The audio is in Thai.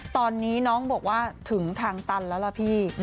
ตอนนี้น้องบอกว่าถึงทางตันแล้วล่ะพี่